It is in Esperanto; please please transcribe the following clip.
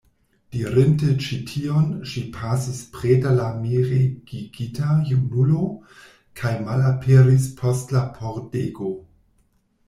Dirinte ĉi tion, ŝi pasis preter la miregigita junulo kaj malaperis post la pordego.